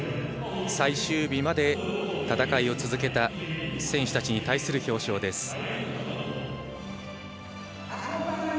最終日まで戦いを続けた選手たちに対する表彰です。